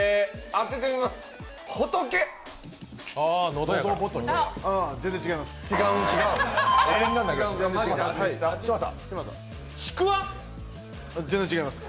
ああ全然違います。